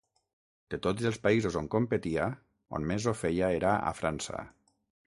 De tots els països on competia, on més ho feia era a França.